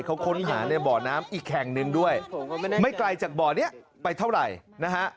เขาค้นหาในบ่อน้ำอีกแห่งหนึ่งด้วยไม่ไกลจากบ่อนี้ไปเท่าไหร่นะฮะ